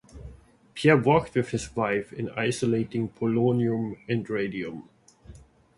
Pierre worked with his wife in isolating polonium and radium.